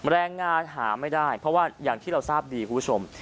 แรงงานหาไม่ได้เพราะว่าอย่างที่เราทราบดีคุณผู้ชม